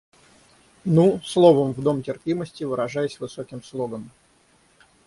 Ну, словом, в дом терпимости, выражаясь высоким слогом